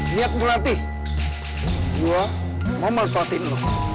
niat berarti gue mau melatih lo